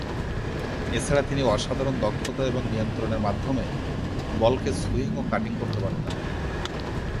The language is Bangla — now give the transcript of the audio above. এছাড়াও তিনি অসাধারণ দক্ষতা এবং নিয়ন্ত্রণের মাধ্যমে বলকে সুইং ও কাটিং করতে পারতেন।